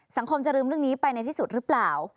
สังคมจะลืมเรื่องนี้ไปในที่สุดหรือเปล่า